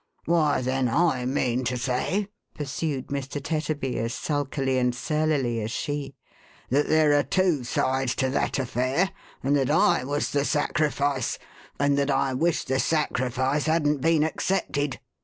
"Why, then I mean to say,11 pursued Mr. Tetterby, as sulkily and surlily as she, « that there are two sides to that affair; and that / was the sacrifice; and that I wish the sacrifice hadn't been accepted."